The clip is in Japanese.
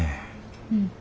うん。